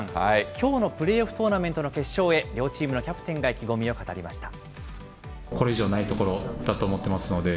きょうのプレーオフトーナメントの決勝へ、両チームのキャプテンが意気込みを語りました。